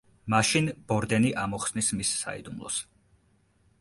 მაშინ ბორდენი ამოხსნის მის საიდუმლოს.